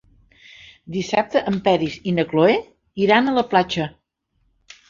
Dissabte en Peris i na Cloè iran a la platja.